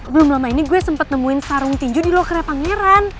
belum lama ini gue sempat nemuin sarung tinju di lokernya pangeran